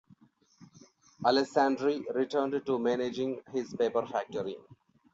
Alessandri returned to managing his paper factory.